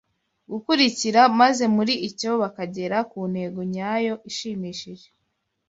gukurikira maze muri cyo bakagera ku ntego nyayo ishimishije